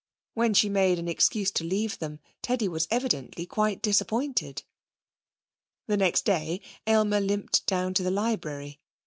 When she made an excuse to leave them Teddy was evidently quite disappointed. The next day Aylmer limped down to the library.